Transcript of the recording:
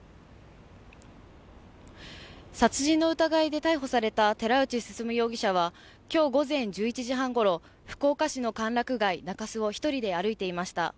殺人の疑いで逮捕された寺内進容疑者は今日午前１１時半ごろ、福岡市の歓楽街、中洲を一人で歩いていました。